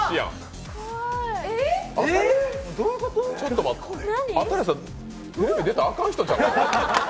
ちょっと待って、新子さん、テレビ出たらあかん人ちゃう？